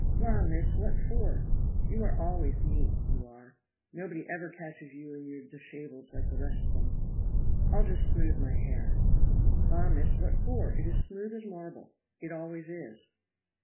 "La, miss, what for? you are always neat, you are nobody ever catches you in your dishables like the rest of 'em." "I'll just smooth my hair." "La, miss, what for? it is smooth as marble it always is."